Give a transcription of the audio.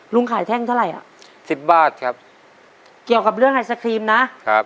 ลุงขายแท่งเท่าไหร่อ่ะสิบบาทครับเกี่ยวกับเรื่องไอศครีมนะครับ